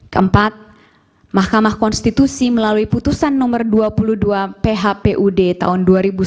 keempat mahkamah konstitusi melalui putusan nomor dua puluh dua phpud tahun dua ribu sembilan belas